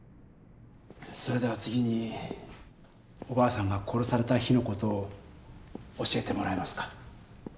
それでは次におばあさんが殺された日の事を教えてもらえますか？